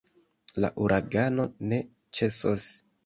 La uragano ne ĉesos.